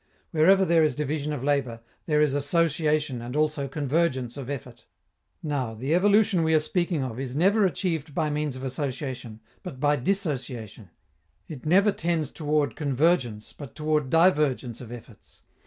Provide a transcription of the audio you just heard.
Wherever there is division of labor, there is association and also convergence of effort. Now, the evolution we are speaking of is never achieved by means of association, but by dissociation; it never tends toward convergence, but toward divergence of efforts.